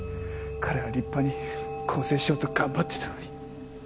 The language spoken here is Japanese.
彼は立派に更生しようと頑張ってたのに。